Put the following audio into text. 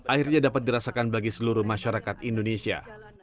akhirnya dapat dirasakan bagi seluruh masyarakat indonesia